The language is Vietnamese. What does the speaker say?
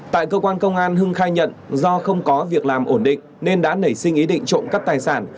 tại cơ quan công an hưng khai nhận do không có việc làm ổn định nên đã nảy sinh ý định trộm cắp tài sản